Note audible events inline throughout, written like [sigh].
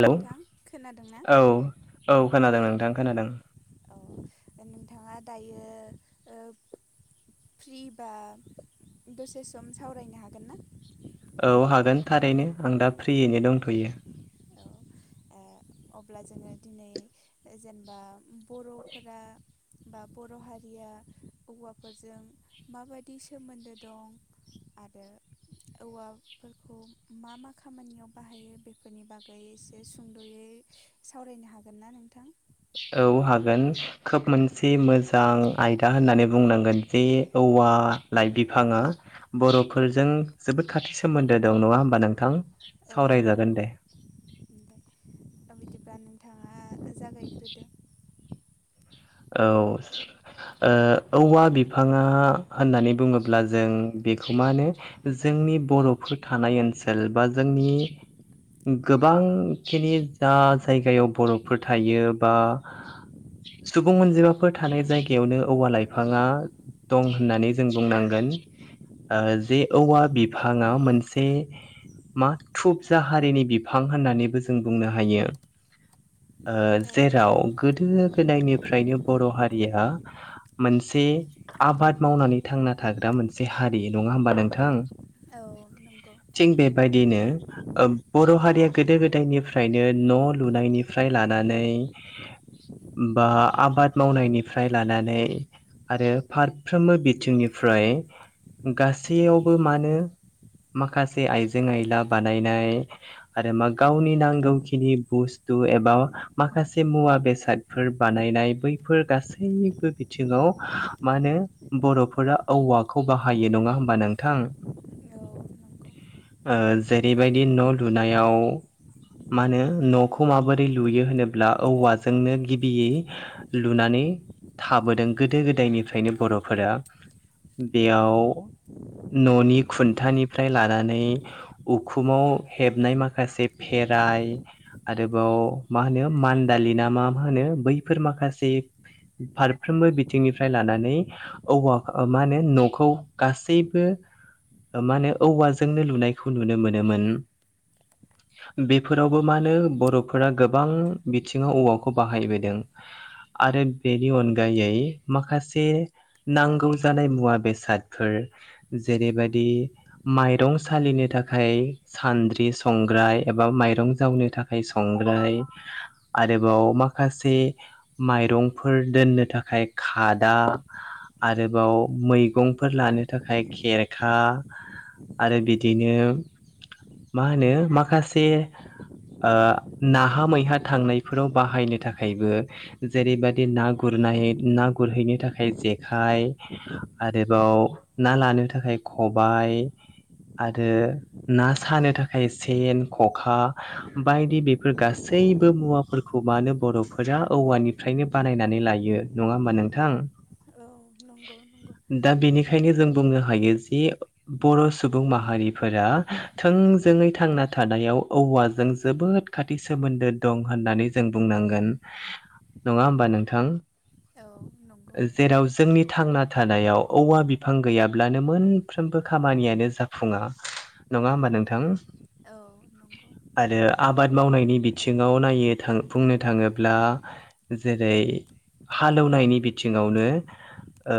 Hello नोंथां खोनादोंना औ औ खोनादों नोंथां खोनादों औ नोंथाङा दायो ओ फ्रिबा दसे सम सावरायनो हागोन ना औ हागोन थारैनो आं दा फ्रियैनो दंथ'यो औ अब्ला जोङो दिनै जेनेबा बर'फोरा बा बर' हारिया औवाफोरजों माबादि सोमोन्दो दं आरो औवाफोरखौ मा मा खामानियाव बाहायो बेफोरनि बागै एसे सुंद'यै सावरायनो हागोन ना नोंथां औ हागोन खोब औ मोनसे मोजां आयदा होननानै बुंनांगोन जे औवा लाइ बिफाङा बर'फोरजों जोबोद खाथि सोमोन्दो दं नङा होमबा नोंथां औ सावरायजागोन नंगौ दे नोंथाङाज [unintelligible] औ ओ औवा बिफाङा होननानै बुङोब्ला जों बेखौ मा होनो जों नि बर'फोर थानाय ओनसोल बा जोंनि गोबांखिनि जा जायगायाव बर'फोर थायो बा [inaudible] सुबुं अनजिमाफोर थानाय जायगायावनो औवा लाइफाङा दं होननानै जों बुंनांगोन ओ जे औवा बिफाङा मोनसे मा थुब जा हारिनि बिफां होननानैबो जों बुंनो हायो ओ औ जेराव गोदो गोदायनिफ्रायनो बर' हारिया मोनसे आबाद मावनानै थांना थाग्रा मोनसे हारि नङा होमबा नोंथां? औ नंगौ थिं बेबायदिनो ओ बर' हारिया गोदो गोदायनिफ्रायनो न' लुनायनिफ्राय ला नानै बा आबाद मावनायनिफ्राय लानानै आरो फारफ्रोमबो बिथिंनिफ्राय गासैयावबो मानो माखासे आइजें आयला बानायनाय आरो मा गावनि नांगौखिनि बुस थु एबा माखासे मुवा बेसादफोर बा नायनाय बैफोर गासैबो बिथिाव मा होन बर'फोरा औवाखौ बा बाहायो नङा होमबा नोंथां औ नंगौ ओ जेरैबायदि न' लुनायाव मा होनो न'खौ माबोरै लुयो होनोब्ला औवाजोंनो गिबियै लुनानै थाबोदों गोदो गोदायनिफ्रायनो बर'फोरा बेयाव न'नि खुन्थानिफ्राय लानानै उखुमाव हेबनाय माखासे फे राय आरोबाव माहोनो मानदालिनामा होनो बै फोर माखासे फारफ्रोमबो बिथिंनिफ्राय लानानै औवा मा होनो न'खौ गासैबो मा होनो औवाजोंनो लुनायखौ नुनो मोनोमोन बेफोरावबो मानो बर'फोरा गोबां बिथिङाव औवाखौ बाहायबोदों [inaudible] आरो बेनि अनगायै माखासे नांगौ जानाय मुवा बेसादफोर जेरैबादि माइरं सालिनो थाखाय सान्द्रि संग्राय एबा माइरं जावनो थाखाय संग्राय आरोबाव माखासे माइरंफोर दोननो थाखाय खादा आरोबाव मैगंफोर लानो थाखाय खेरखा आरो बिदिनो मा होनो माखासे ओ नाहा मैहा थांनायफोराव बाहायनो थाखायबो जेरैबादि ना गुरनाय ना गुरहैनो थाखाय जेखाइ आरोबाव ना लानो थाखाय खबाय आरो ना सानो थाखाय सेन ख'खा बायदि बेफोर गासै सैबो मुवाफोरखौ मानो बर'फोरा औवानिफ्रायनो बानायनानै लायो नङा होमबा नोंथां? औ नंगौ नंगौ बेखायनो जों बुंनो हायो जे बर' सुबुं माहारिफोरा थोंजोङै थांना थानायाव औवाजों जोबोद खाथि सोमोन्दो दं होननानै जों बुंनांगोन नङा होमबा नोंथां औ नंगौ जेराव जोंनि थांना थानायाव औवा बिफां गैयाब्लानो मोनफ्रोमबो खामानियानो जाफुङा नङा होमबा नोंथां? औ नंगौ आरो आबाद मावनायनि बिथिङाव नायनो थां बुंनो थाङोब्ला जेरै हालोवनायनि बिथिङावनो ओ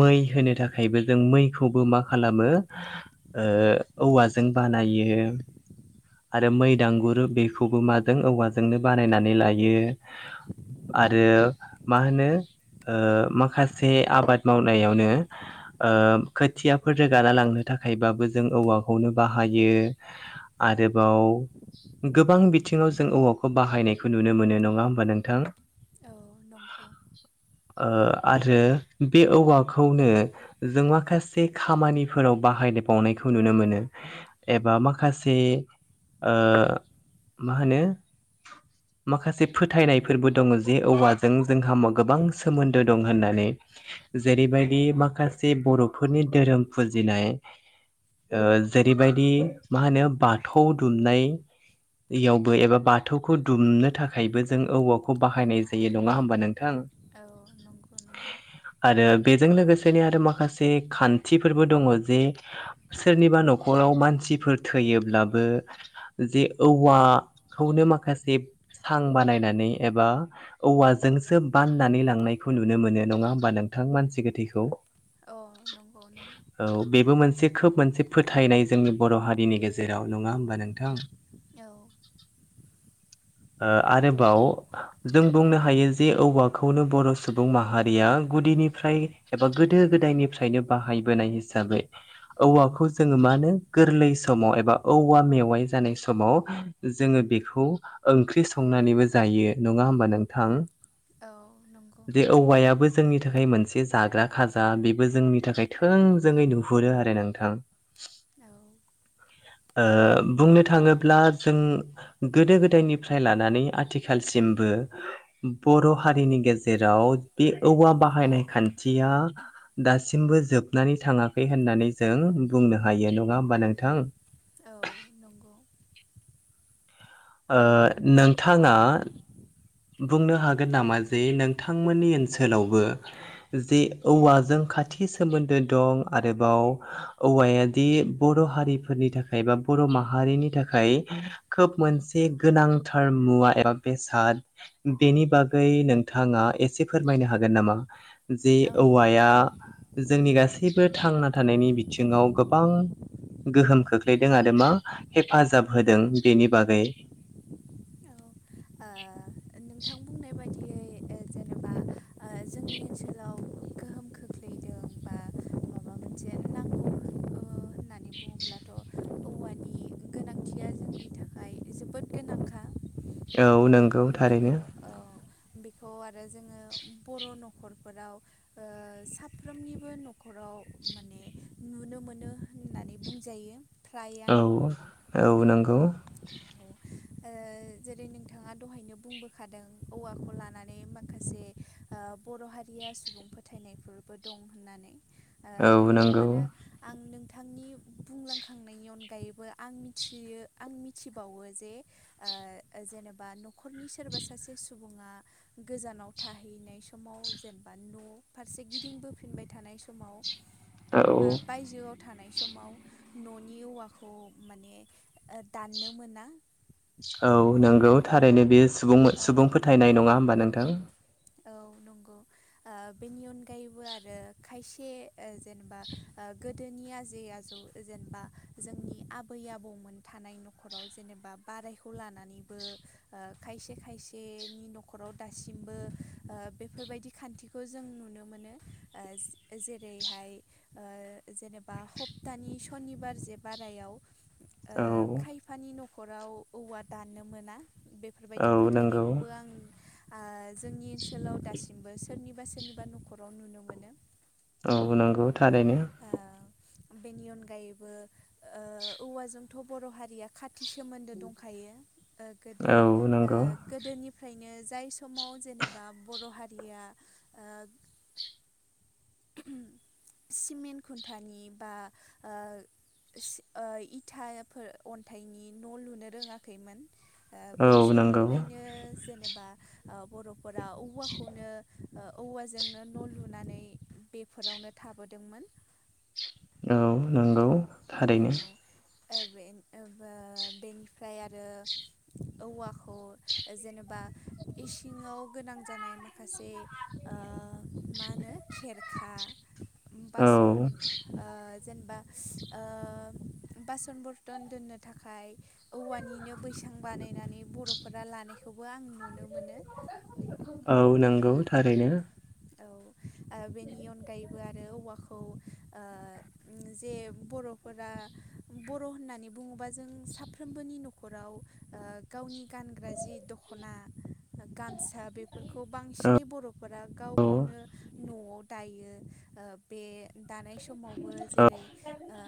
मै होनो थाखायबो जों मैखौबो मा खालामो ओ औवाजों बानायो आरो मैदांगुर बेखौबो माजों औवाजोंनो बानायनानै लायो आरो मा होनो ओ माखासे आबाद मावनायावनो ओ खोथियाफोर रोगाना लांनो थाखाय थाखायबाबो जों औवाखौनो बाहायो आरोबाव गोबां बिथिङाव जों औवाखौ बाहायनायखौ नुनो मोनो नङा होमबा नोंथां? औ नंगौ ओ आरो बे औवाखौनो जों माखासे खामानिफोराव बाहाय बावनायखौ नुनो मोनो एबा माखासे ओ मा होनो माखासे फोथायनायफोरबो दङ जे औवाजों जोंहा गोबां सोमोन्दो दं होननानै। जेरैबायदि माखासे बर'फोरनि धोरोम फुजिनाय ओ जेरैबायदि मा होनो बाथौ दुमनाय। इयावबो एबा बाथौखौ दुमनो थाखायबो जों औवाखौ बाहायनाय जायो नङा होमबा नों थां औ नंगौ नंगौ आरो बेजों लोगोसेनो आरो माखासे खान्थिफोरबो दङ जे सोरनिबा न'खराव मानसि सिफोर थैयोब्लाबो जे औवाखौनो माखासे सां बानायनानै एबा औवाजोंसो बाननानै लांनायखौ नुनो मोनो नङा होमबा नों नोंथां मानसि गोथैखौ अ नंगौ नंगौ औ बेबो मोनसे खोब मोनसे फोथायनाय जोंनि बर' हारिनि गेजेराव नङा होमबा नोंथां। औ ओ आरोबाव जों बुंनो हायो जे औवाखौनो बर' सुबुं माहारिया गुदिनिफ्राय एबा गोदो गोदायनिफ्रायनो बाहायबोनाय हिसाबै औवाखौ जोंङो मानो गोरलै समाव ए बा औवा मेवाइ जानाय समाव जोंङो बेखौ ओंख्रि संनानैबो जायो। नङा होमबा नोंथां? जे औ औवायाबो जोंनि थाखाय मोनसे जाग्रा खाजा बेबो जोंनि थाखाय थोंजोङै नुहुरो आरो नोंथां। औ ओ बुंनो थाङोब्ला जों गोदो गोदायनिफ्राय लानानै आथिखालसिमबो बो बर' हारिनि गेजेराव बे औवा बाहायनाय खान्थिया दासिमबो जोबनानै थाङाखै होननानै जों बुंनो हायो नङा होमबा नोंथां। औ नंगौ [inaudible] ओ नोंथाङा बुंनो हागोन नामा जे नोंथांमोननि ओनसोलावबो जे औवाजों खाथि सोमोन्दो दं आरोबाव औवायादि बर' हारिफोरनि थाखाय बा बर माहारिनि थाखाय खोब मोनसे गोनांथार मुवा एबा बेसाद बेनि बागै नोंथाङा एसे फोरमायनो हागोन नामा? जि ओ औ औवाया जोंनि गासैबो थांना थानायनि बिथिङाव गोबां गोहोम खोख्लैदों आरो मा हेफाजाब होदों बेनि बागै। औ ओ नोंथां बुंनाय [inaudible] बायदियै जेनेबा जोंनि ओनसोलाव गोहोम खोख्लैदों बा माबा मोनसे नांगौ होननानै बुङोब्लाथ' औवानि गोनांथिया जोंनि थाखाय जोबोद गोनांखा औ आरो नंगौ बेखौ थारैनो औ बे खौ आरो जोङो बर' नखरफोराव ओ साफ्रोमनिबो न'खराव माने नुनो मोनो होननानै बुंजायो। फ्रायानो औ औ नंगौ। औ ओ जेरै नोंथाङा दहायनो बुंबोखादों औवाखौ लानानै माखासे ओ बर' हारिया सुबुं फोथायनायफोरबो दं होननानै ओ औ बेयाव नंगौ आरो आं नों थांनि बुंलांखांनायनि अनगायैबो आं मिथियो आं मिथिबावो जे ओ जेनेबा न'खरनि सोरबा सासे सुबुङा गोजानाव थाहैनाय समाव जेन बा न' फारसे गिदिंबोफिनबाय थानाय समाव बा औ बायजोआव थानाय समाव न'नि औवाखौ माने ओ दाननो मोना औ नोंगौ थारैनो बेयो सुबुं औ सुबुं फोथायनाय नङा होमबा नोंथां? औ नंगौ ओ बेनि अनगायैबो आरो खायसे ओ जेनेबा ओ गोदोनि आजै आजौ जेनबा जोंनि आबै आबौमोन थानाय न'खराव जेनेबा बारायखौ लानानैबो ओ खायस खायसेनि न'खराव दासिमबो ओ बेफोरबायदि खान्थिखौ जों नुनो मोनो। ओज जेरैहाय ओ जेनेबा हप्तानि सनिबार जे बाराय याव ओ औ खायफानि न'खराव औवा दाननो मोना बेफोरबायदि औ नंगौ फोथायनायखौबो आं आ जोंनि ओनसोलाव दासिमबो सोरनिबा सोरनिबा न'खराव नुनो मोनो। औ नंगौ औ थारैनो ओ बेनि अनगायैबो ओ औवाजोंथ' बर' हारिया खा थि सोमोन्दो दंखायो ओ गोदो औ ओ नंगौ गोदोनिफ्रायनो जाय समाव जेनेबा बर' हारिया ओ सिमेन्ट खुन्थानि बा ओ सि ओ इथायाफोर अन्थाइनि न' लुनो रोङाखैमोन। ओ औ बै नंगौ समनिफ्रायनो जेनेब बा ओ बर'फोरा औवाखौनो ओ औवाजोंनो न' लुनानै बेफोरावनो थाबोदोंमोन। औ नंगौ थारैनो। औ ओ बेन ओ ब बेनिफ्राय आरो औवाखौ जेनेबा इसिङाव गोनां जानाय माखासे ओ मा होनो खेरखा औ बास'न ओ जेनबा ओ बास'न बरतन दोननो थाखाय औवानिनो बैस सां बानायनानै बर'फोरा लानायखौबो आं नुनो मोनो। [inaudible] औ नंगौ थारैनो। औ ओ बेनि अनगायैबो आरो औवाखौ ओ जे बर'फोरा बर' होननानै बुङोबा जों साफ्रोमबोनि न'खराव ओ गावनि गानग्रा जि दख'ना गामस सा बेफोरखौ औ बांसिनै बर'फोरा गाव गावनो न'आव दायो। ओ बे दानाय समावबो जेरै ओ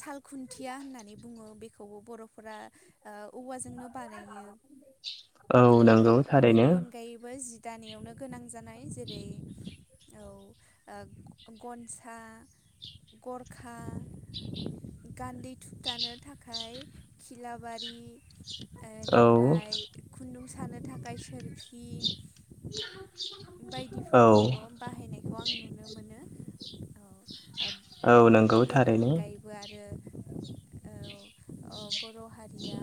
साल खुन्थिया होननानै बुङो बेखौबो बर'फोरा ओ औवाजोंनो बानायो। [inaudible] आरो नंगौ थारैनो बेनि अनगायैबो जि दानायावनो नां जानाय जेरै औ ओ गनसा गरखा गान्दै थुबथानो थाखाय खिलाबारि औ ओनिफ्राय खुन्दुं सानो थाखाय सोरखि [unintelligible] औ बायदिफोरखौबो बाहायनायखौ आं नुनो मोनो औ। औ ओब नंगौ बेनि थारैनो अनगायैबो आरो औ अ बर' हारिया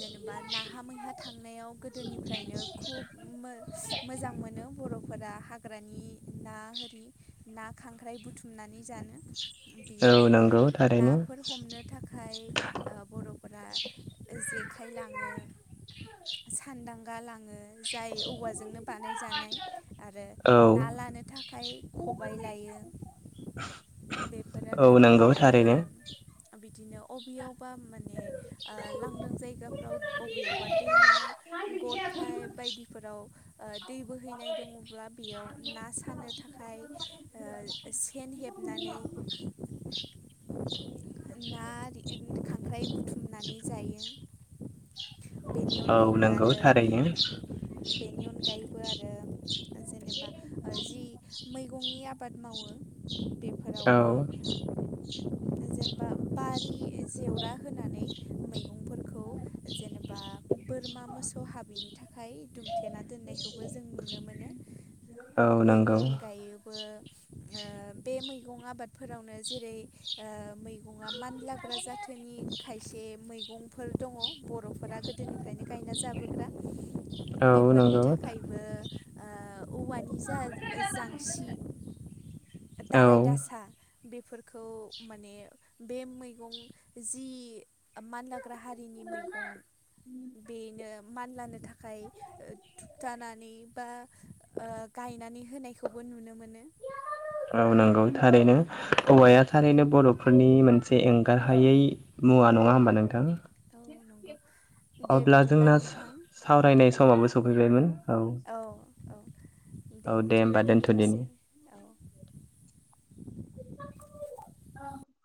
जेनेबा नामा मैहा थांनायाव गोदोनिफ्रायनो खुब मो-मोजां मोनो। बर'फोरा हाग्रानि ना होरि ना खांख्राइ बुथुमनानै जानो। औ बेयावबो नंगौ थारैनो नाफोर हमनो थाखाय ओ बर'फोरा जेख खाइ लाङो सानदांगा लाङो जाय औवाजोंनो बानायजानाय। आरो औ ना लानो थाखाय खबाइ लायो। बेफोर आरो औ नंगौ आरो थारैनो। बिदिनो अबेयावबा माने ओ लांदां जायगाफ्राव अबेयावबा दैमा गरखाय बायदिफोराव ओ दै बोहैनाय अब्ला बेयाव ना सानो थाखाय ओ सेन हेबनानै [unintelligible] खांख्राय बुथुमनानै जायो। बेनि औ अनगायैबो नंगौ आरो थारैनो बेनि अनगायैबो आरो जेनेबा जि मैगंनि आबाद मावो बे औ जेनबा बारि जेवरा होनानै मैगंफोरखौ जेनेबा बोरमा मोसौ हाबिनि थाखाय दुमथेना दोननायखौबो जों नुनो मोनो औ नंगौ। ओ ओ बे मैगं आबादफोरावनो जेरैै ओ मैगं ना मानलाग्रा जाथोनि खायसे मैगंफोर दङ बर'फोरा गोदोनिफ्रायनो गायना जाबोग्रा औ बेफोरनि नंगौ थाखायबो ओ औवानि जा जांसि दालाय औ दासा बेफोरखौ माने बे मैगं जि मानलाग्रा हारिनि मैगं बेनो मानलानो थाखाय ओ थुुबथानानै बा ओ गायनानै होनायखौ खौबो नुनो मोनो। औ नोंगौ थारैनो, औ औवाया थारैनो बर'फोरनि मोनसे एंगारहायै मुवा नङा होमबा नोथां? औ नंगौ दे बिदिब्ला नोंथां सावरायनाय समावबो सफैबायमोन [inaudible] औ औ दे औ बिदिब्ला होमबा दोनथ'दिनि दोनथ'नोसै औ औ